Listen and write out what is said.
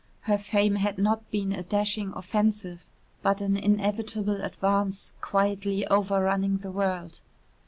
Her fame had not been a dashing offensive but an inevitable advance quietly over running the world.